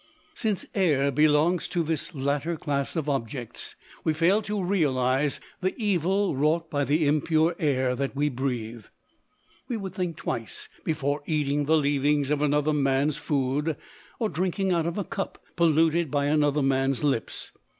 Since air belongs to this latter class of objects, we fail to realise the evil wrought by the impure air that we breathe. We would think twice before eating the leavings of another man's food, or drinking out of a cup polluted by another man's lips.